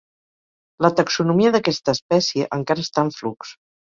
La taxonomia d'aquesta espècie encara està en flux.